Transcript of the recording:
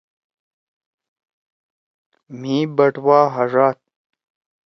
مھی بٹوا ہڙاد۔